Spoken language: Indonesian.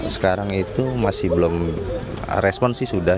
sekarang itu masih belum respon sih sudah